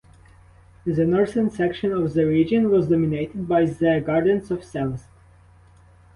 The northern section of the region was dominated by the Gardens of Sallust.